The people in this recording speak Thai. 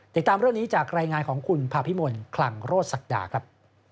ติดตามเรื่องนี้จากรายงานของคุณภาพิมลคลังโรศศักดาครับ